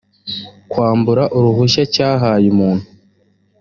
kwambura uruhushya cyahaye umuntu